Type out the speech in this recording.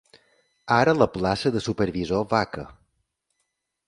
Ara la plaça de supervisor vaca.